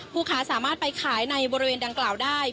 ค้าสามารถไปขายในบริเวณดังกล่าวได้